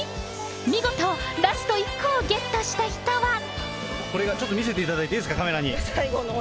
見事、ラスト１個をゲットした人これが、ちょっと見せていただいていいですか、カメラに。